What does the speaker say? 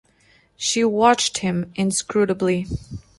She watched him inscrutably.